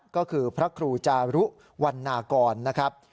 ก็คือพระครูจารุวันนากรนะครับ